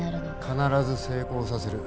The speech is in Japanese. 必ず成功させる。